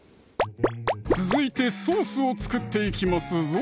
続いてソースを作っていきますぞ